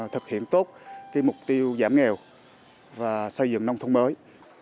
thực hiện tốt cái mục tiêu giảm nghèo và xây dựng nông thông mới